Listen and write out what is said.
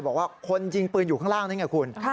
บอกว่าคนยิงปืนอยู่ข้างล่างนั่นไงคุณ